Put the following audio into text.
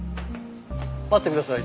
待ってください。